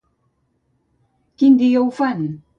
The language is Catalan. Quin dia ho fan?